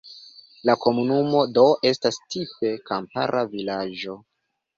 La komunumo do estas tipe kampara vilaĝo.